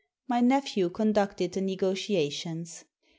My nephew conducted the negotiations.